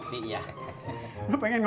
ternyata pada ngumpul disini ya